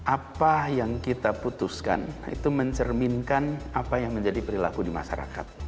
apa yang kita putuskan itu mencerminkan apa yang menjadi perilaku di masyarakat